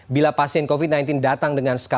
bila pasien covid sembilan belas datang dengan skala